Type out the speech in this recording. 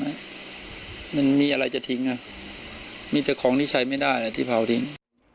มันมีอะไรจะทิ้งอ่ะมีแต่ของที่ใช้ไม่ได้ที่เผาทิ้ง